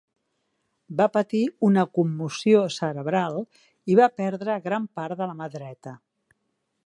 Va patir una commoció cerebral i va perdre gran part de la mà dreta.